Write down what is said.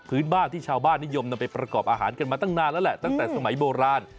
พื้นบ้านที่ชาวบ้านนิยมนำไปประกอบอาหารกันมาตั้งนานแล้วแหละตั้งแต่สมัยโบราณ